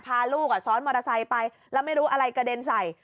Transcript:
พาลูกซ้อนมอเตอร์ไซค์ไปแล้วไม่รู้อะไรกระเด็นใส่